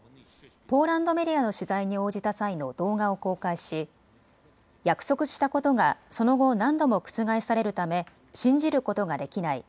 ポーランドメディアの取材に応じた際の動画を公開し約束したことがその後、何度も覆されるため信じることができない。